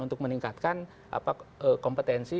untuk meningkatkan kompetensi